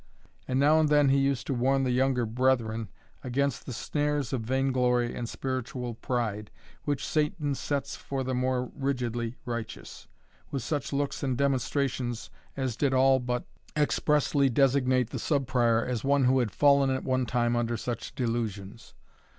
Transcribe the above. and now and then he used to warn the younger brethren against the snares of vainglory and spiritual pride, which Satan sets for the more rigidly righteous, with such looks and demonstrations as did all but expressly designate the Sub Prior as one who had fallen at one time under such delusions.